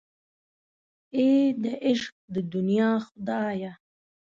اې د عشق د دنیا خدایه.